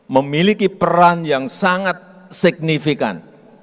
memiliki peran yang sangat signifikan